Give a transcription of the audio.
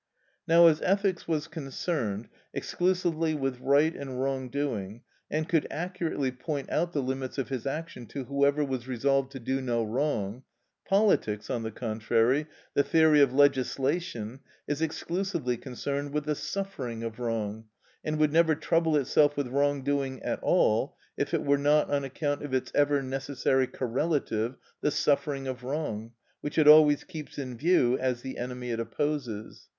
Now as ethics was concerned exclusively with right and wrong doing, and could accurately point out the limits of his action to whoever was resolved to do no wrong; politics, on the contrary, the theory of legislation, is exclusively concerned with the suffering of wrong, and would never trouble itself with wrong doing at all if it were not on account of its ever necessary correlative, the suffering of wrong, which it always keeps in view as the enemy it opposes.